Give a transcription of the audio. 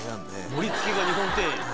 盛り付けが日本庭園。